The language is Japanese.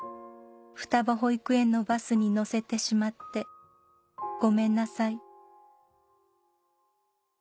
「双葉保育園のバスに乗せてしまってごめんなさい」